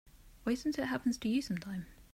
Wait until it happens to you sometime.